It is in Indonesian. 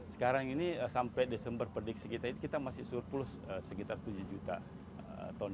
sekarang ini sampai desember prediksi kita itu kita masih surplus sekitar tujuh juta ton